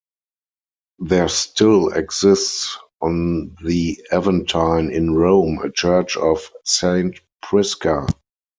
There still exists on the Aventine in Rome a church of Saint Prisca.